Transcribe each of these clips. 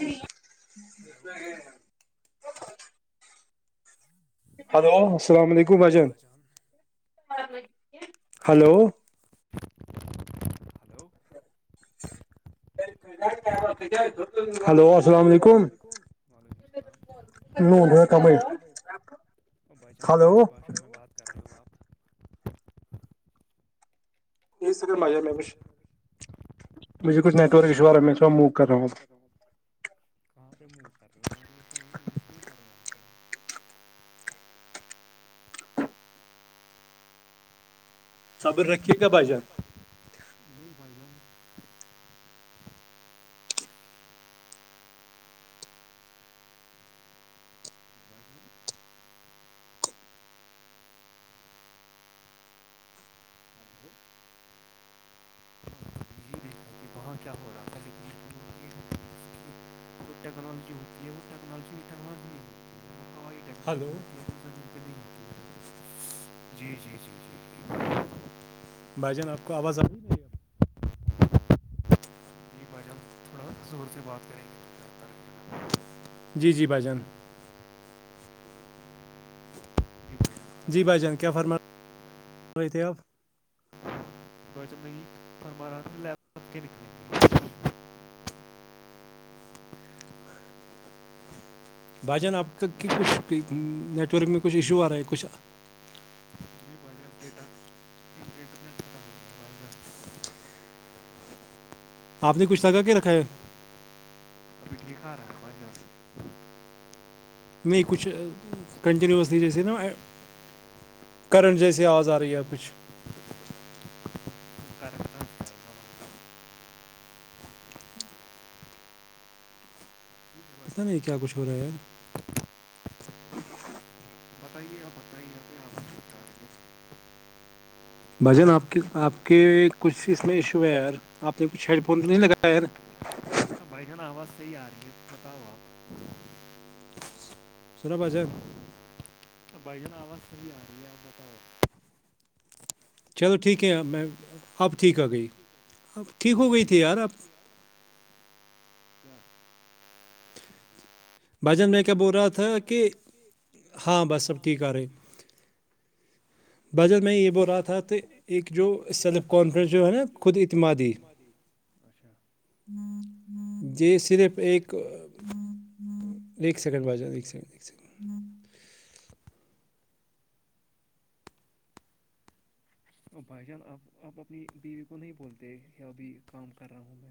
ری hello السلام علیکم بجن ہلو ہلو کوئیق تو ہلو السلام علیکم وعلیکم السلام بھائی جان یہ کون سی بھشا میں بات کر رہے ہو آپ مچھ نیٹ ورک ایشا کر رہ ہاں تو کر صبر رکھیے گ بجا نہیں پائی لوں ہاں کیا ہو رہا تھاب یکنالوی ہوتی ہے وہ ٹیکنالوجی ہلو جی جی جی بھائی جان آپ کو آواز آی یہ بجا تھوڑا س سے بات کریں گے جی جی بھجن جی بھائی جان کیا فرما کر رہے تھے آپ نہیں فرم رہا د بھائی جان اب تک کی کچھ نیٹ ورک میں کچھ ایشو آ رہے ہیں کچھ بٹاٹ آپ نے کچھ لگا کے رکھا ہے کار ہے نہیں کچھ کنٹینوسلی جیسے نا کرنٹ جیسی آواز آ رہی ہےب کچھ کر پتہ نہیں کیا کچھ ہو رہا یار بھاجان آپ کے آپ کے کچھ اس اس میں ایشو ہے یار آپ نے کچھ ہیڈ فون تو نہیں لگایا ہے نا بھائی جان آواز صحی آ رہی ہے بتاؤ آپ سر بجن تو بھائی جان آواز صحیح آ رہی ہے آپ بتاؤ چلو ٹھیک ہے میں اب ٹھیک آ گئی اب ٹھیک ہو گئی تھی یار اب بھن میں کیا بول رہا تھا کہ ہاں بس سب ٹھ آ رہے بجر میں یہ بول رہا تھا کہ ایک جو سیلف کانفڈنس جو ہے نا خود اعتماد دی اچھا ہوں جی صرف ایک ایک سیکنڈ ب ج ایک سیکنڈ ایک سیکڈ بھائی جان اب آپ اپنی بیوی کو نہیں بولتے ابھی کام کر رہا ہوں میں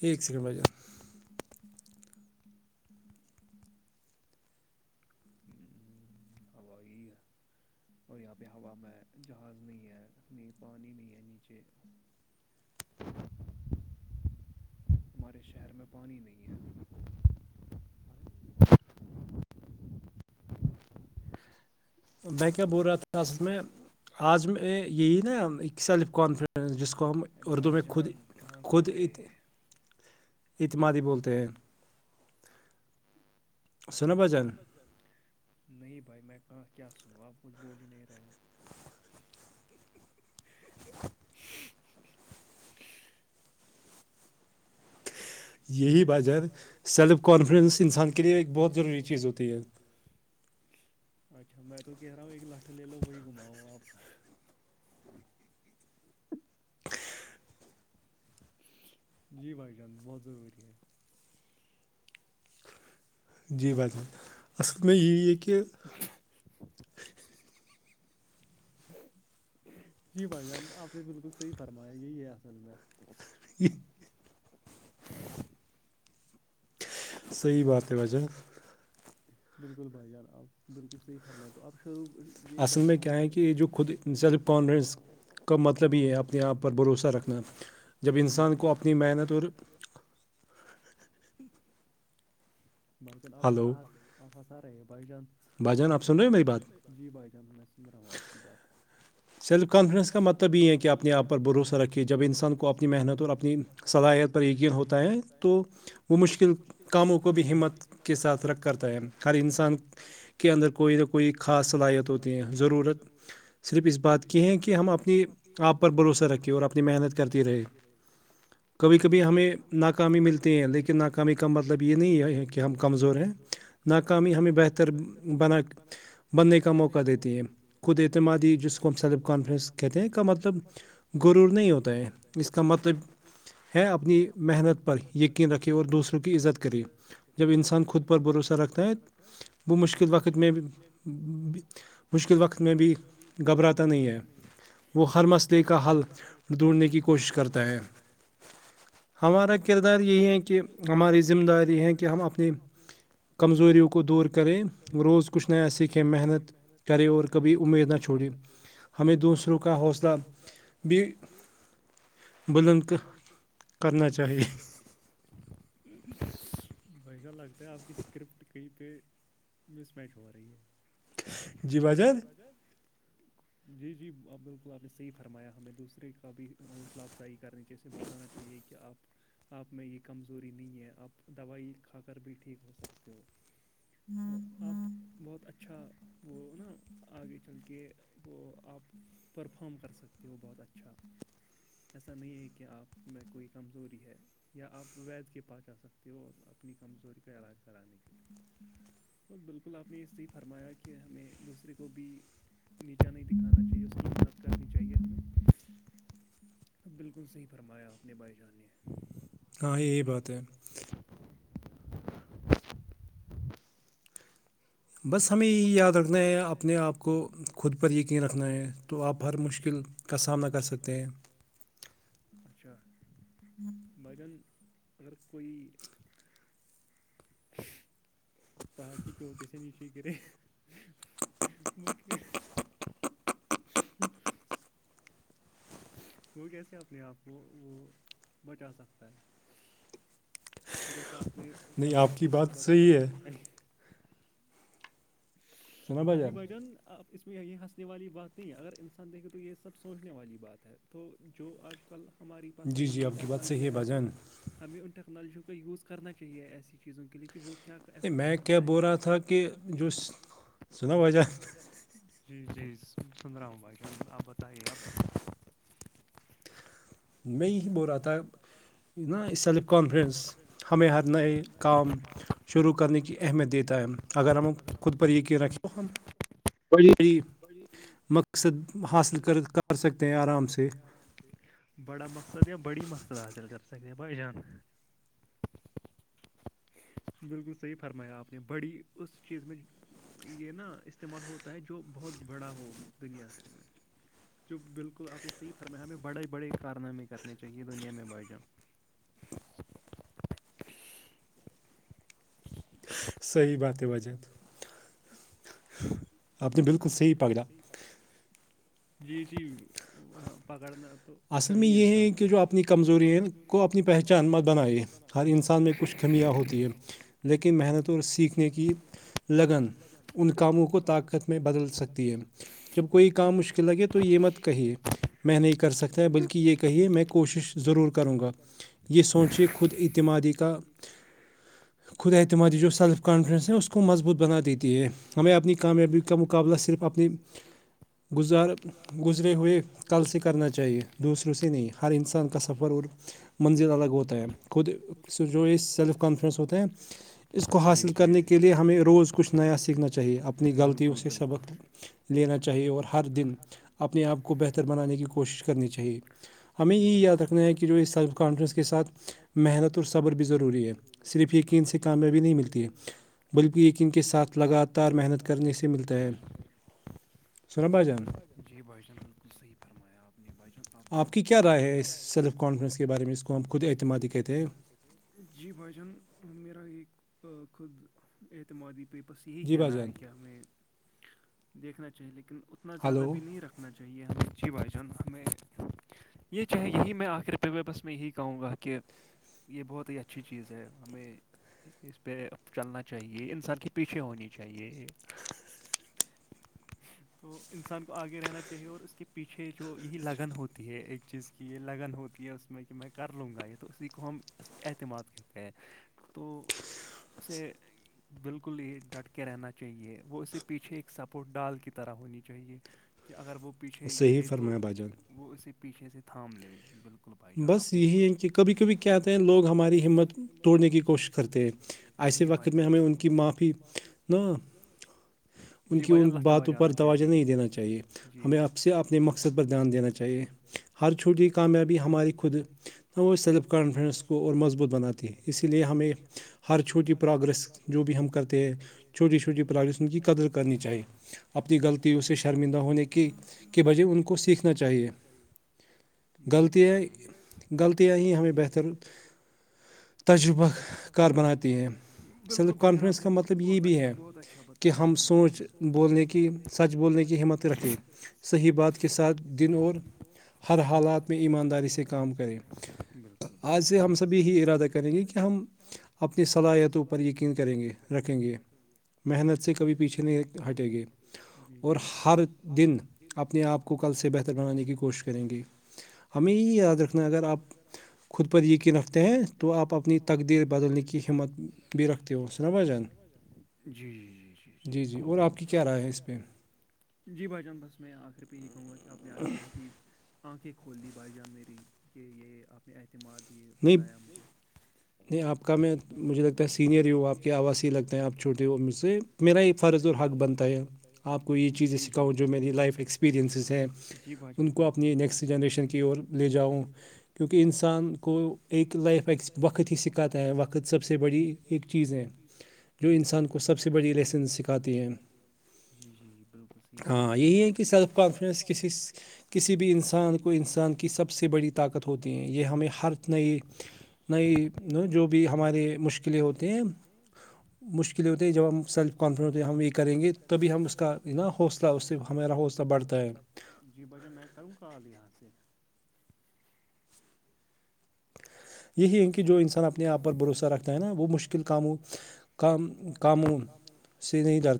ایک سیکنڈ بجا آبا یہ ہے اور یہاں پہ ہوا میں جہاز نہیں ہے نہیں پانی نہیں ہے نیچے ہمارے شہر میں پانی نہیں ہے میں کیا بول رہا تھا حصل میں آج میں یہ نا سیلف کانفڈنس جس قوم اردو میں خود خود ات اتمادی بولتے ہیں سنا بچن نہیں بھائی میں کہاں کیا سنوں آپ مجھ بول ہی نہیں رہے ہو یہی وجہ سیلف کانفیڈنس انسان کے لیے ایک بہت ضروری چیز ہوتی ہے اچھا میں تو کہہ رہا ہوں ایک لٹھ لے لو وہی گھماؤ آپ جی بھائی جان بہت ضروری ہے جی بات اصل میں یہ کہ ا جی بھائی جان آپ نے بالکل صحیح فرمایا یہی ہے اصل میں ج صحیح بات ہے بجہ بالکل بھائی جان آپ بالکل صحیح فرمائےیں تو آپ شرو یہ بتائیے کہ جو خود زد کانفیڈنس کا مطلب ہی ہے اپنے یہاں پر بھروسہ رکھنا انسان کو اپنی محنت اور بھائیجان اب اب حاس آ رہے ہیں بائیجان بجان جی بائی چانس میں سم رہا ہوں آپ کی بات سیلف کانفیڈنس کا مطلب یہ ہے کہ اپنے آپ پر بھروسہ رکھھیے جب انسان کو اپنی محنت اور اپنی صلاحیت پر یقین ہوتا ہے تو وہ مشکل کم ہو کو بھی ہمت کے ساتھ رکھ کرتا ہے ہر انسان کے اندر کوئی نہ کوئی خاص صلاحیت ہوتی ہیں ضرورت صرف است صرف اس بات کی ہے کہ ہم اپنے آپ پر بھروسہ رکھیں اور اپنی محنت کرتی رہے کبھی کبھی ہمیں ناکامی ملتی ہیں لیکن ناکامی کا مطلب یہ نہیں کہ ہم کمزور ہیں ناکامی ہمیں بہتر بنا بننے کا موقع دیتی ہیں خود اعتمادی جسم جس کو ہم سیلف کانفیڈنس کہتے ہیں کا مطلب غرور نہیں ہوتا ہے اس کا مطلب ہے اپنی محنت پر یقین رکھے اور دوسروں کی ازت کریں جب انسان خود پر بھروسہ رکھتا ہے وہ مشکل وقت میں مشکل وقت میں بھی گھبراتا نہیں ہے وہ ہر مسئلے کا حل ڈھونڈنے کی کوشش کرتا ہے ہمارا کردار یہی ہے کہ ہماری ہماری ذمہ داری ہے کہ ہم اپنی کمزوریوں کو دور کریں روز کچھ نہیا سیکھیں محنت کریں اور کبھی امید نہ چھوڑی ہمیں دوسروں کا حوصلہ بھی بلند کرنا چاہیے وشا لگتا ہے آپ کی اسکرپٹ کہیں پہ مس میچ ہو رہی ہے جی بجان جی جی آپ بالکل آپ نے صحیح فرمایا ہمیں دوسرے کا بھی حوصلہ افزائی کرنی جیے بتانا چاہیے کہ آپ میں یہ کمزور نہیں ہے آپ دوائی کھا کر بھی ٹھیک ہو سکتے ہو تو آپ بہت اچھا اچھا وہ نا آگے چل کے وہ آپ پرفام کر سکتے ہو بہت اچھا ایسا نہیں ہے کہ آپ میں کوئی کمزوری ہے یا آپ وید کی کے پاس جا سکتے ہو اپنی کمزوری کا علاج کرانے کے لیے تو بالکل آپ نے یہیح فرمایا کہ ہمیں دوسرے کو بھی نیچا نہیں دکھانا چاہیے اس کی مدد کرنی چاہیے ہمیں بالکل صحیح فرمایا اپنے باائیشان نے ہاں یہی بات ہے بس ہمیں یاد رکھنا ہے اپنے آپ کو خود پر یقین رکھنا ہے تو آپ ہر مشکل کا سام نہ کر سکتے ہیں اچھا بھائی جان اگر کوئی پہاڑ کی چوٹی سے نیچے گرے ہو وہ کیسے اپنے آپ کو بچا سکتا ہے جیسا آپ نے بتایا خود پر بھروسہ رکھنا چاہیے جی بھائی جان آپ اس میں یہ ہنسنے والی بات نہیں ہے اگر انسان دیکھے تو یہ سب سوچنے والی بات ہے تو جو آج کل ہمارے پاس نئی نئی ٹیکنالوجیاں ہے تو ہمیں ان ٹیکنالوجییوں کا یوز کرنا چاہیے ایسی چیزوں کے لیے کہ وہ کیا نہیں میں کیا بول رہا تھا کہ جو سنا بھائی جان جی جی سن رہا ہوں بھائی جان آپ بتائیے آپ ب میں یہی بول رہا تھا نا سیلف کانفیڈنس ہمیں ہر نئے کام شروع کرنے کی اہمیت دیتا ہے اگر ہم خود پر یقین رکھیں کوئی بھی کوئی بھی مقصد حاصل کر کر سکتے ہیں آرام سے بڑا مق سدیو بڑی مقصد حاصل کر سکتے ہیں بھائی جان [inaudible] بالکل صحیح فرمایا آپ نے بڑی اس چیز میں یہ نا استعمال ہوتا ہے جو بہت بڑا ہو دنیا سے میں جو بالکل آپ نے صحیح فرمایا ہمیں بڑے بڑے کارنامے کرتے چاہی دنیا میں بجن صحیح بات ہے بھائی جان آپ نے بالکل صحیح پکڑا پگلا جی جی پکڑنا تو اصل میں یہ ہے کہ جو اپنی کمزوری ہے کو اپنی پہچان مت بنائیے ہر انسان میں کچھ کمیاں ہوتی ہیں لیکن محنت اور سیکھنے کی لگن ان کا کو طاقت میں بدل سکتی ہے جب کوئی کام مشکل لگے تو یہ مت کہے میں نہیں کر سکتا بلکہ یہ کہیے میں کوشش ضرور کروں گا یہ سوچے خود اعتمادی کا [inaudible] خود اعتمادی جو سیلف کانفیڈنس ہے اس کو مضبوط بنا دیتی ہے ہمیں اپنی کامیابی کا مقابلہ صرف اپنی گزار گزرے ہوئے کل سے کرنا چاہیے دوسروں سے نہیں ہر انسان کا سفر اور منزل الگ ہوتا ہے خود سے جو یہ سیلف کانفیڈنس ہوتے ہیں اس کو حاصل کرنے کے لئے ہمیں روز کچھ نیا سیکھنا چاہیے اپنی غلطیوں سے سبق لینا چاہیے اور ہر دن اپنے آپ کو بہتر بنانے کی کوشش کرنی چاہیے ہمیں یہ یاد رکھنا ہے کہ جو اس سیلف کانفیڈنس کے ساتھ محنت اور صبر بھی ضروری ہے صرف یقین سے کامیابی نہیں ملتی ہے بلکہ یقین کے ساتھ لگات طار محنت کرنے سے ملتا ہے سنا بھائی جان جی بھائی جان بالکل صحیح فرمایا آپ نے بھائی جان آپ تو بہت ہی ینگ اپ کی کیا رائے ہے اس سیلف کانفیڈنس کے بارے میں اسکو ہم خود اعتمادی کہتے ہیں جی بھائی جان میرا ایک خود اعتمادی پیپر سے کہنا ہے کیا ہمیں دیکھنا چاہیے لیکن اتنا زیادہ بھی نہیں رکھ رکھنا چاہیے اچھی بھائی جان ہمیں یہ چاہ یہی میں آخر پ بس میں یہی کہوں گا کہ یہ بہت ہی اچھی چیز ہے ہمیں اس پہ چلنا چاہیے انسان کے پیچھے ہونی چاہیے [inaudible] تو انسان کو آگے رہنا چاہیے اور اس کے پیچھے جو یہی لگن ہوتی ہے ایک چیز کی یہ لگن ہوتی یہ اس میں کہ میں کر لوں گا یہ تو اسی کو ہم اعتماد کہتے ہیں تو سے بالکل ہی ڈٹ ک رہنا چاہیے وہ اسے پیچھے ایک سپورٹ ڈال کی طرح ہونی چاہیے کہ اگر وہ پیچھے گرے تو وہ اسے پیچھے سے تھام لے بالکل ائی جا یہ کبھی کبھی کیاتے لوگ ہماری ہمت توڑنے کی کوشش کرتے ہیں جی بھائی معی ان کی ان باتوں پر دوجہ نہیں دینا چاہیے ہمیں آپ سے اپنے مقصد پر دھیان دینا چاہیے ہر چھوٹی کامیابی ہماری خود نہ وہ سیلف کانفیڈنس کو اور مضبوط بناتی ہے اسی لیے ہمیں ہر چھوٹی پروگریس جو بھی ہم کرتے ہیں چو پٹسن کی قدر کرنی چاہیے اپنے غلطیوں سے شرمندہ ہونے کی کی بجہ ان کو سیکھنا چاہیے بالکل غلطیاںئی غلطیاںئی ہمیں بہتر بالکل بجان آپ بہت اچھا بہت اچھا بتایا اپنی ب سوچ بولنے کی سچ بولنے کیف صی بات کے ساتھ ہر حالات میں ایمانداری سےائم بالکل بھ آج سے ہم سب یہی ارادہ کریں گے کہ ہم اپنی صلاحیتوں پر یقین کریں گے رکھیں گے رکھیں گے اچ محنت سے کبھی پیچھے نہیں ہٹے گے جی جی بھائی ہر اپنے آپ کو کل سے بہتر بنانے کی کوشش کریں گی ہمیں یہ یاد رکھنا ہے اگر آپ خود پر یقین رکھتے ہیں تو آپ اپنی تقدیر بدلنے کی ہمت بھی رکھتے ہو سنا بھ جان ج جی جی جی جی جی اور آپ کی کیا رائے جی بھ جان بس میں آخر پہ یہ ہی کہوں گا کہ آپ آج بہت ت آنکھیں کھول دی بائی جان میری کہ یہ آپ میں اعتماد یہ بتایا مجھے آپ کا میں رومتا سینئر ہیوں آپ آو ہی لگتا ہیں آپ چھوٹے ہو سے میرا ہی فرض حق بنتا ہے جی جی بھائی می لفپن جی بھ جان بالکل اپنی نیکسٹ جنریشن کی لے جاؤں کی انسان کو ایک لائف ایک وقت ہی سکھاتا ہے وقت سب سے بڑی ایک چیز ہے جی جی یہ انسان کو سب سے بڑی لائسنس سکھاتی ہے جی جی بالکل صحیح ہاں یہی ہے کہ سیلف کانفیڈنس کسی کسی بھی انسان کو انسان کی سب سے بڑی طاقت ہوتی ہیں یہ ہمیں ہر نئی نئی جو بھی ہمارے مشکلیں ہوتی ہیں مشکل ہوتے ہیں جب ہم سیلف کانفیڈنٹ ہوتے ہیں ہم یہ کریں گے تبھی ہم اس کا نا حوصلہ اس سے ہمارا حصلہ صلہ بڑتا جی بجہ میں کروں کال یہاں سے یہی ہیں کہ جو انسان اپنے آپ پر بھروسہ رکھتا ہے نا وہ مشکل کاموں کام کاموں سے نہیں ڈر